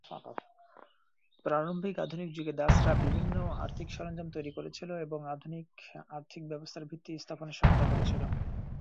প্রারম্ভিক আধুনিক যুগে, ডাচরা বিভিন্ন আর্থিক সরঞ্জাম তৈরি করেছিল এবং আধুনিক আর্থিক ব্যবস্থার ভিত্তি স্থাপনে সহায়তা করেছিল।